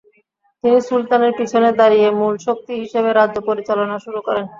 তিনি সুলতানের পিছনে দাঁড়িয়ে মূল শক্তি হিসেবে রাজ্য পরিচালনা শুরু করেন।